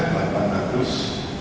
delapan juta daerah